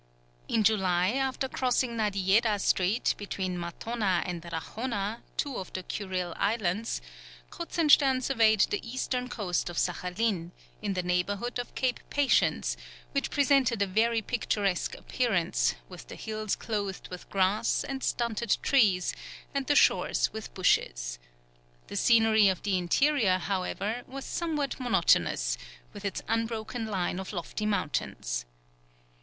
In July, after crossing Nadiejeda Strait, between Matona and Rachona, two of the Kurile Islands, Kruzenstern surveyed the eastern coast of Saghalien, in the neighbourhood of Cape Patience, which presented a very picturesque appearance, with the hills clothed with grass and stunted trees and the shores with bushes. The scenery of the interior, however, was somewhat monotonous, with its unbroken line of lofty mountains.